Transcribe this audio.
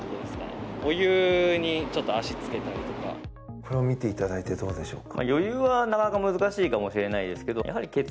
これを見ていただいてどうでしょうか？